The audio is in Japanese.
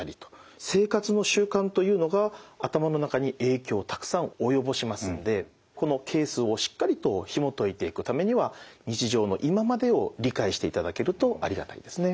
生活の習慣というのが頭の中に影響をたくさん及ぼしますのでこのケースをしっかりとひもといていくためには日常の今までを理解していただけるとありがたいですね。